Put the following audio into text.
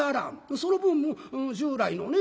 その分従来のね